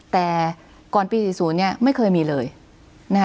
แต่ก่อนปี๔๐เนี่ยไม่เคยมีเลยนะคะ